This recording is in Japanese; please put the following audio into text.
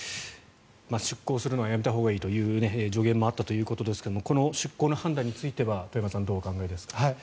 出航するのはやめたほうがいいという助言もあったということですがこの出航の判断については遠山さんはどう考えますか。